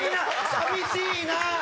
寂しいな。